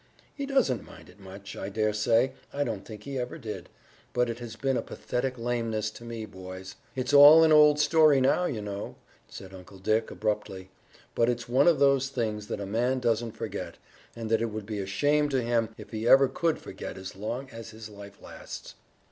He doesn't mind it much, I dare say, I don't think he ever did, but it has been a pathetic lameness to me, boys. It's all an old story now, you know," said Uncle Dick, abruptly, "but it's one of those things that a man doesn't forget, and that it would be a shame to him if he ever could forget as long as his life lasts."